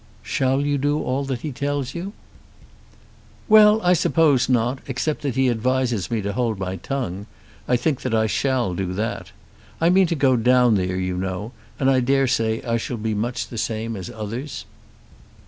"Shall you do all that he tells you?" "Well; I suppose not; except that he advises me to hold my tongue. I think that I shall do that. I mean to go down there, you know, and I daresay I shall be much the same as others."